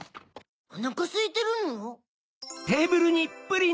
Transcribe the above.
おなかすいてるの？